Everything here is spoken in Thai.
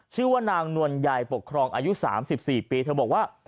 ชื่อว่านางนวลไยปกครองอายุ๓๔ปีที่เบาบ่วงว่า